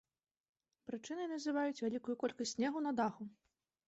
Прычынай называюць вялікую колькасць снегу на даху.